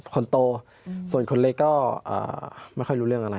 คนโตส่วนคนเล็กก็ไม่ค่อยรู้เรื่องอะไร